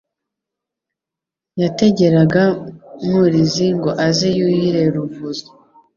Yategeraga Mwurizi ngo aze yuhire Ruvuzo